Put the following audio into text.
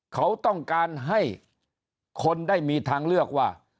เขาต้องการให้คนได้มีทางเลือกว่า